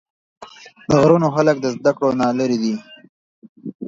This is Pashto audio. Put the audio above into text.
د غرونو خلق د زدکړو نه لرې دي